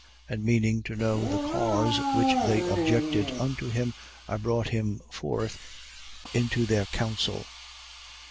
23:28. And meaning to know the cause which they objected unto him, I brought him forth into their council.